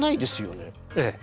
ええ。